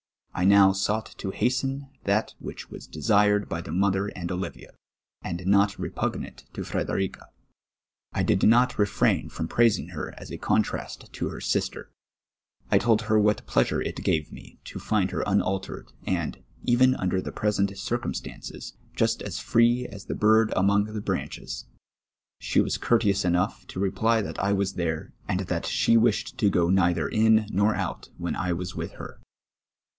I now sou<;ht to hasten that which was desired by the mother and Olivia, and not repu<piaut to Frederica. I did not refrain from ])raisino; her as a contrast to her sister ; I told her what pleasure it gave me to find her unaltered, and, even under the present circumstances, just as free as the bird among; the branches. She was courteous enoujj^h to reply that I was there, and that she ^^'ished to go neither in nor out when I was with her.